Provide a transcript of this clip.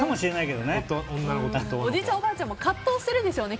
おじいちゃん、おばあちゃんも葛藤してるんでしょうね。